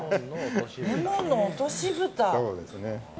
レモンの落としぶた。